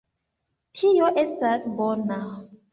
Tio estas bona.